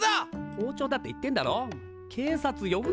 校長だって言ってんだろ警察呼ぶなよ！